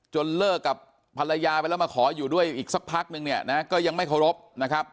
เลิกกับภรรยาไปแล้วมาขออยู่ด้วยอีกสักพักนึงเนี่ยนะก็ยังไม่เคารพนะครับ